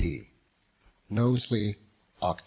D. KNOWSLEY, OCT.